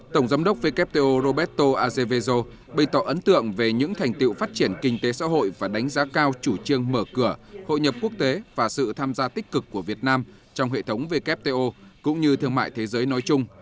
tổng giám đốc wto roberto azevezo bày tỏ ấn tượng về những thành tiệu phát triển kinh tế xã hội và đánh giá cao chủ trương mở cửa hội nhập quốc tế và sự tham gia tích cực của việt nam trong hệ thống wto cũng như thương mại thế giới nói chung